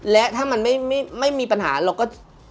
และถ้ามันไม่มีปัญหาเราก็